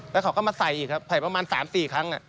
แล้วเขาก็มาใส่อีกครับใส่ประมาณ๓๔ครั้ง